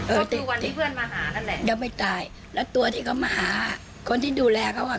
ก็คือวันที่เพื่อนมาหานั่นแหละยังไม่ตายแล้วตัวที่เขามาหาคนที่ดูแลเขาอ่ะ